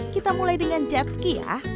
kita mulai dengan jet ski ya